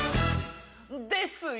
ですよ。